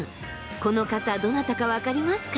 この方どなたか分かりますか？